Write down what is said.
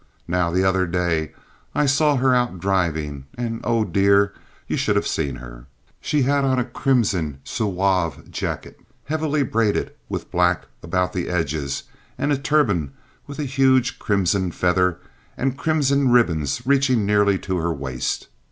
Now, the other day I saw her out driving, and oh, dear! you should have seen her! She had on a crimson Zouave jacket heavily braided with black about the edges, and a turban with a huge crimson feather, and crimson ribbons reaching nearly to her waist.